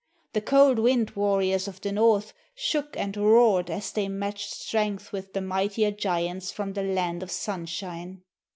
The cold wind warriors of the North shook and roared as they matched strength with the mightier giants from the land of Sunshine.